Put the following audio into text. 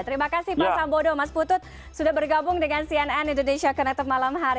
terima kasih pak sambodo mas putut sudah bergabung dengan cnn indonesia connected malam hari